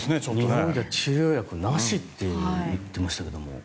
日本で治療薬なしと言っていましたけど。